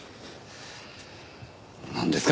なんですか？